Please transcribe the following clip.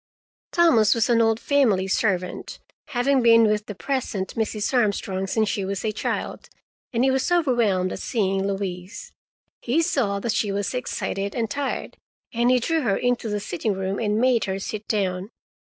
Thomas was an old family servant, having been with the present Mrs. Armstrong since she was a child, and he was overwhelmed at seeing Louise. He saw that she was excited and tired, and he drew her into the sitting room and made her sit down.